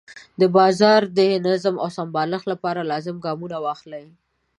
د بازار د نظم او سمبالښت لپاره لازم ګامونه واخلي.